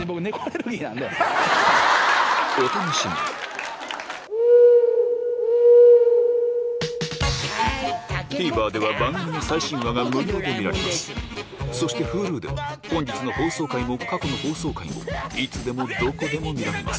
お楽しみにＴＶｅｒでは番組の最新話が無料で見られますそしてＨｕｌｕでは本日の放送回も過去の放送回もいつでもどこでも見られます